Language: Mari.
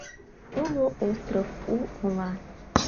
Уло остров: у ола